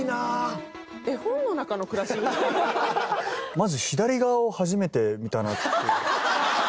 まず左側を初めて見たなって。